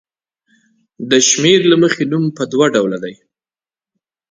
د شمېر له مخې نوم په دوه ډوله دی.